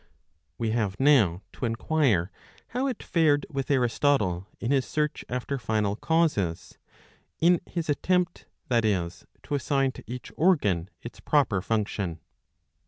XI We have now to enquire how it fared with Aristotle in his search after final causes, in his attempt, that is, to assign to each organ its proper function.